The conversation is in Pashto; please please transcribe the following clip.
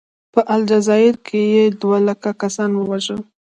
په الجزایر کې یې دوه لکه کسان ووژل.